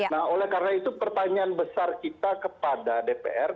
nah oleh karena itu pertanyaan besar kita kepada dpr